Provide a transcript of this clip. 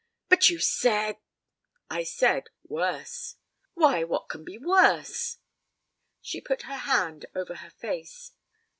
'But you said ' 'I said "worse".' 'Why, what can be worse?' She put her hand over her face.